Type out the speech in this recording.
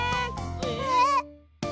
えっ？